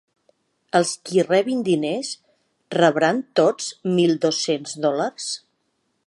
Els qui rebin diners, rebran tots mil dos-cents dòlars?